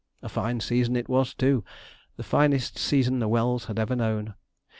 A fine season it was, too the finest season the Wells had ever known.